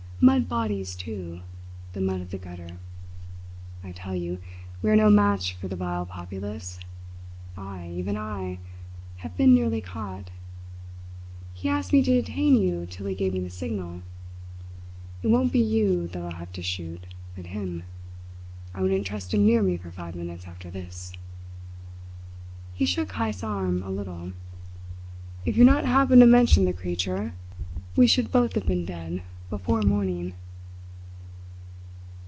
Mud bodies, too the mud of the gutter! I tell you, we are no match for the vile populace. I, even I, have been nearly caught. He asked me to detain you till he gave me the signal. It won't be you that I'll have to shoot, but him. I wouldn't trust him near me for five minutes after this!" He shook Heyst's arm a little. "If you had not happened to mention the creature, we should both have been dead before morning.